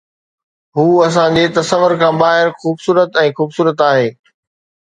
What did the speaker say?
هو اسان جي تصور کان ٻاهر خوبصورت ۽ خوبصورت آهي